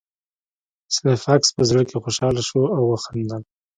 سلای فاکس په زړه کې خوشحاله شو او وخندل